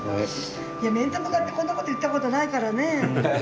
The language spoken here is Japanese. いや面と向かってこんなこと言ったことないからね。